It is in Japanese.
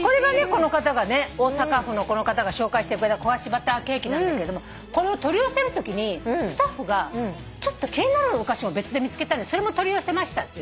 この方がね大阪府のこの方が紹介してくれたこがしバターケーキなんだけどこれを取り寄せるときにスタッフがちょっと気になるお菓子を別で見つけたんでそれも取り寄せましたって。